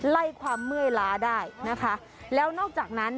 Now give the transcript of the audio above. ไล่ความเมื่อยล้าได้นะคะแล้วนอกจากนั้น